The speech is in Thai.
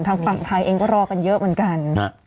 ทางฝั่งไทยเองก็รอกันเยอะเหมือนกัน